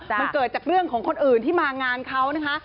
มันเกิดจากเรื่องของคนอื่นที่มางานเขานะคะ